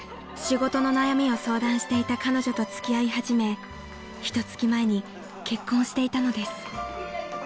［仕事の悩みを相談していた彼女と付き合い始めひとつき前に結婚していたのです］